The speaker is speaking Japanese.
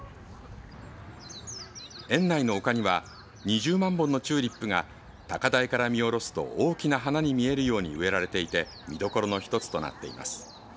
園内の丘には２０万本のチューリップが高台から見下ろすと大きな花に見えるように植えられていて見どころの一つとなっています。